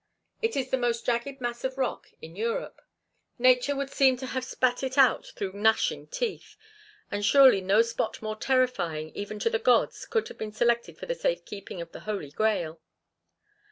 It is the most jagged mass of rock in Europe; Nature would seem to have spat it out through gnashing teeth; and surely no spot more terrifying even to the gods could have been selected for the safe keeping of the holy grail.